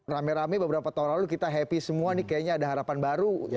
rame rame beberapa tahun lalu kita happy semua nih kayaknya ada harapan baru